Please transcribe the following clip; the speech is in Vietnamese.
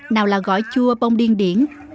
nào là gỏi chua bông điên điển